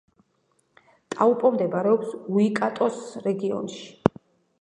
ტაუპო მდებარეობს უაიკატოს რეგიონში.